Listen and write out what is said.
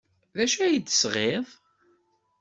D acu ay d-tesɣid?